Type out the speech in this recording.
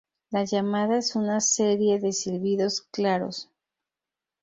La llamada es una serie de silbidos claros.